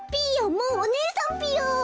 もうおねえさんぴよ！